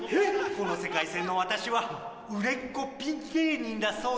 この世界線の私は売れっ子ピン芸人だそうですね